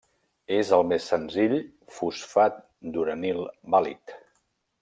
És el més senzill fosfat d'uranil vàlid.